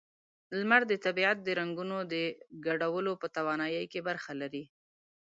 لمر د طبیعت د رنگونو د ګډولو په توانایۍ کې برخه لري.